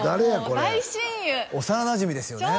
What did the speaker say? これ幼なじみですよね？